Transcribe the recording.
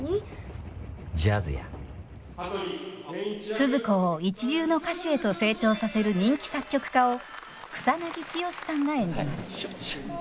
スズ子を一流の歌手へと成長させる人気作曲家を草剛さんが演じます。